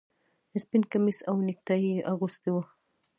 سپین کمیس او نیکټايي یې اغوستي وو